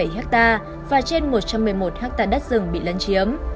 sau một mươi một ha đất rừng bị lấn chiếm